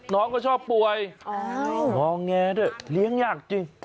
น้องก็ชอบป่วยงอแงด้วยเลี้ยงยากจริง